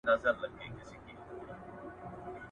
پر خره سپور دئ، خر ځني ورک دئ.